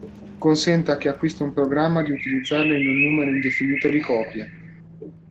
Consente a chi acquista un programma di utilizzarlo in un numero indefinito di copie.